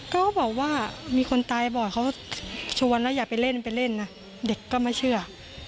ก็บอกว่ามีคนตายบ่อยเขาชวนแล้วอย่าไปเล่นไปเล่นนะเด็กก็ไม่เชื่อ